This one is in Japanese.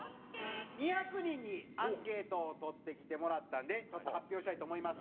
２００人にアンケートを取ってきてもらったんでちょっと発表したいと思います。